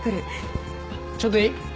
ちょっといい？